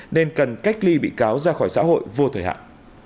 nên cần cách ly bị cáo ra khỏi xã hội vô thời hạn